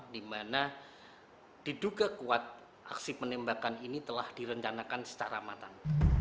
di mana diduga kuat aksi penembakan ini telah direncanakan secara matang